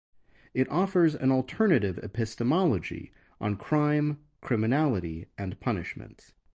It offers an alternative epistemology on crime, criminality and punishment.